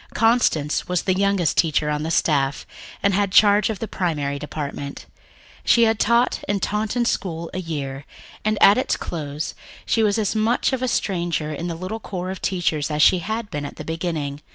Constance was the youngest teacher on the staff, and had charge of the Primary Department. She had taught in Taunton school a year, and at its close she was as much of a stranger in the little corps of teachers as she had been at the beginning.